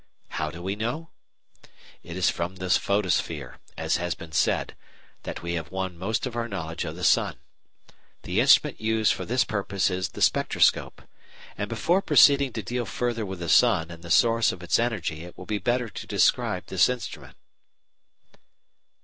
How do we know? It is from the photosphere, as has been said, that we have won most of our knowledge of the sun. The instrument used for this purpose is the spectroscope; and before proceeding to deal further with the sun and the source of its energy it will be better to describe this instrument.